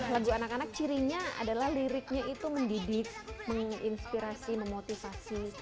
lagu anak anak cirinya adalah liriknya itu mendidik menginspirasi memotivasi